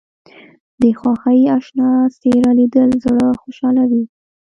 د خوښۍ اشنا څېره لیدل زړه خوشحالوي